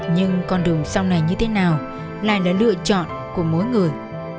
nhưng con đường sau này như thế nào lại là lựa chọn của mỗi người